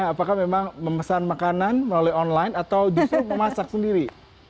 apakah memang memesan makanan melalui online atau justru memasak sendiri